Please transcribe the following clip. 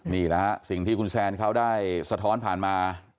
นี่แหละฮะสิ่งที่คุณแซนเขาได้สะท้อนผ่านมา